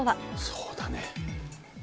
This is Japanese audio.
そうだね。